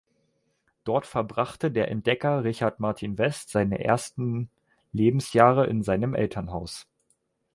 Dort verbrachte der Entdecker Richard Martin West seine ersten Lebensjahre in seinem Elternhaus.